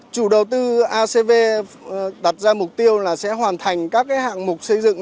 chủ đầu tư acv đặt ra mục tiêu là sẽ hoàn thành các hạng mục xây dựng